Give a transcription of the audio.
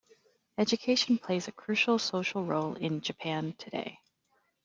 Education plays a crucial social role in Japan today.